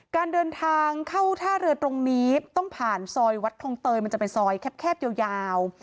การเดินทางเข้าท่าเรือตรงนี้ต้องผ่านซอยวัดคลองเตยมันจะเป็นซอยแคบยาว